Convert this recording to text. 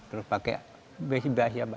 terus pakai besi besi apa